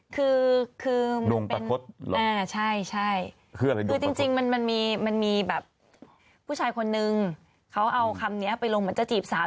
คือคือมันเป็นใช่คือจริงมันมีแบบผู้ชายคนนึงเขาเอาคำเนี้ยไปลงเหมือนจะจีบสาว